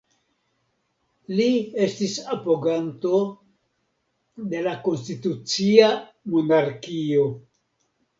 Li estis apoganto de la konstitucia monarkio.